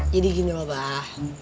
jadi gini loh abah